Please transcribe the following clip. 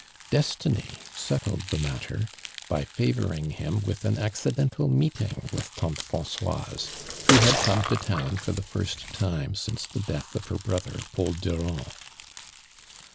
Destiny settled the matter by favoring him with an accidental meeting with tank Francoise, who had come to town for the tirst time since the death of her brother, Paul Dnrand.